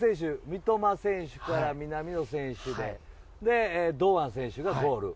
三笘選手から南野選手でそして、堂安選手がゴール。